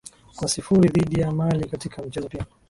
kwa sifuri dhidi ya mali katika mchezo pia